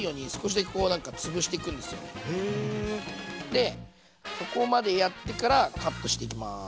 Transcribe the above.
でここまでやってからカットしていきます。